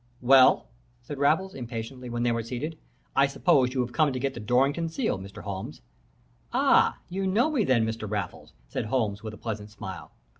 "'Well?' said Raffles, impatiently, when they were seated. 'I suppose you have come to get the Dorrington seal, Mr. Holmes.' "'Ah you know me, then, Mr. Raffles?' said Holmes, with a pleasant smile.